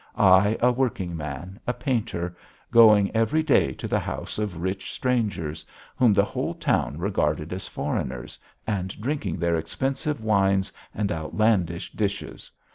I, a working man, a painter, going every day to the house of rich strangers, whom the whole town regarded as foreigners, and drinking their expensive wines and outlandish dishes!